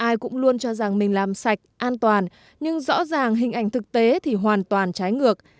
ai cũng luôn cho rằng mình làm sạch an toàn nhưng rõ ràng hình ảnh thực tế thì hoàn toàn trái ngược